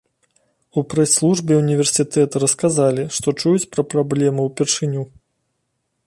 У прэс-службе ўніверсітэта расказалі, што чуюць пра праблему ўпершыню.